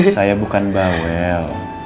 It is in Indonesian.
saya bukan bawel